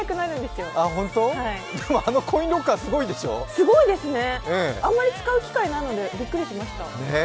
すごいですね、あまり使う機会がないのでびっくりしました。